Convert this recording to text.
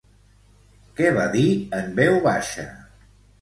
Què va dir en veu baixa?